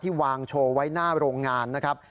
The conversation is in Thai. วางโชว์ไว้หน้าโรงงานนะครับ